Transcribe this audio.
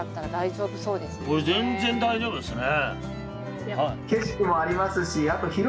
これ全然大丈夫ですね。